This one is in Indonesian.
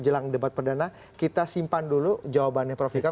jelang debat perdana kita simpan dulu jawabannya prof ikam